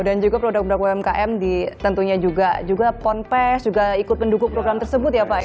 dan juga produk umkm di tentunya juga juga ponpes juga ikut mendukung program tersebut ya pak ya